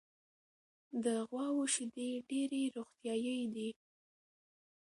د غواوو شیدې ډېرې روغتیایي دي.